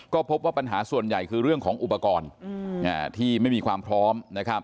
ก็พบว่าปัญหาส่วนใหญ่คือเรื่องของอุปกรณ์ที่ไม่มีความพร้อม